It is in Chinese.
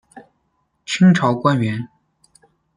清朝官员。